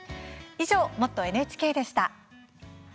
以上「もっとＮＨＫ」でした。